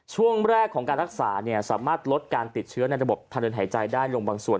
ช่วงแรกของการรักษาสามารถลดการติดเชื้อในระบบทางเดินหายใจได้ลงบางส่วน